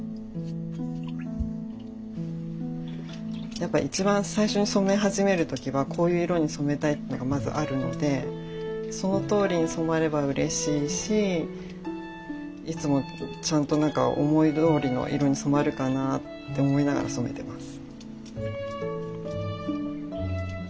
やっぱ一番最初に染め始める時はこういう色に染めたいっていうのがまずあるのでそのとおりに染まればうれしいしいつもちゃんとなんか思いどおりの色に染まるかなって思いながら染めてます。